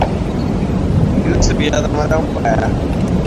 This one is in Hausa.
Yusuf ya zama dan kwaya.